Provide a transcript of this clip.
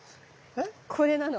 これなの！